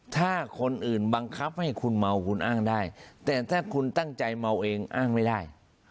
ถ้าคนอื่นบังคับให้คุณเมาคุณอ้างได้แต่ถ้าคุณตั้งใจเมาเองอ้างไม่ได้